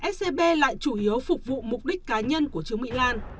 scb lại chủ yếu phục vụ mục đích cá nhân của trương mỹ lan